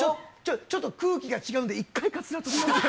ちょっと空気が違うんで、一回かつら取ります。